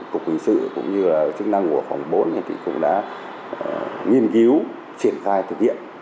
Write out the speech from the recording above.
cục hình sự cũng như chức năng của phòng bốn thì cũng đã nghiên cứu triển khai thực hiện